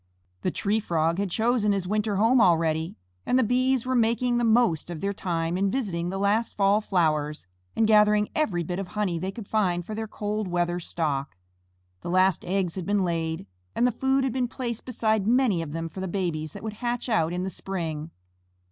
The Tree Frog had chosen his winter home already, and the Bees were making the most of their time in visiting the last fall flowers, and gathering every bit of honey they could find for their cold weather stock. The last eggs had been laid, and the food had been placed beside many of them for the babies that would hatch out in the spring.